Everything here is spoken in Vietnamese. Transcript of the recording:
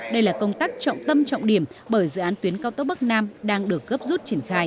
đây là công tác trọng tâm trọng điểm bởi dự án tuyến cao tốc bắc nam đang được gấp rút triển khai